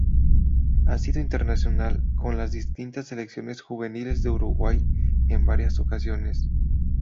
Ha sido internacional con las distintas Selecciones juveniles de Uruguay en varias ocasiones.